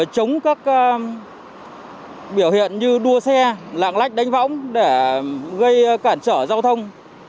chống các biểu hiện như đua xe lạng lách đánh võng để gây cản trở giao thông